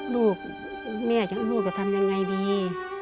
ลูกแม่จังลูกจะทำยังไงดี